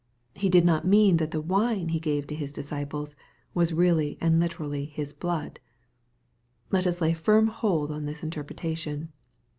He did not mean that the wine He gave to His disciples was really and literally His blood. Let us lay firm hold on this interpretation.